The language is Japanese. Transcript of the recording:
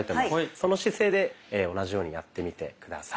その姿勢で同じようにやってみて下さい。